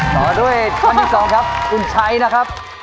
ต่อด้วยท่านที่สองครับคุณชัยนะครับ